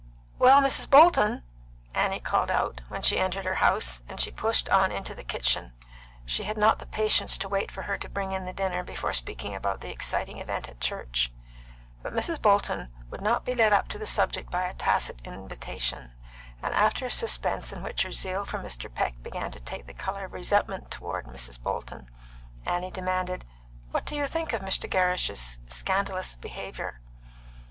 "Well, Mrs. Bolton!" Annie called out, when she entered her house, and she pushed on into the kitchen; she had not the patience to wait for her to bring in the dinner before speaking about the exciting event at church. But Mrs. Bolton would not be led up to the subject by a tacit invitation, and after a suspense in which her zeal for Mr. Peck began to take a colour of resentment toward Mrs. Bolton, Annie demanded, "What do you think of Mr. Gerrish's scandalous behaviour?"